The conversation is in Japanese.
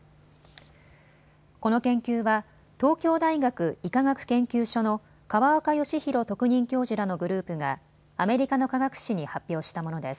この研究は東京大学医科学研究所の河岡義裕特任教授らのグループがアメリカの科学誌に発表したものです。